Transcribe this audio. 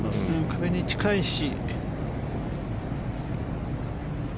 壁に近いし。